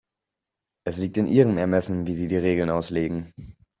Es liegt in Ihrem Ermessen, wie Sie die Regeln auslegen.